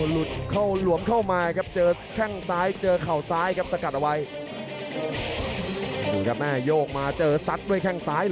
หลุดเข้าหลวมเข้ามาครับเจอแข้งซ้ายเจอเข่าซ้ายครับสกัดเอาไว้